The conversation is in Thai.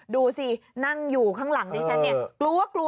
ดูสินั่งอยู่ข้างหลังดิฉันเนี่ยกลัวกลัว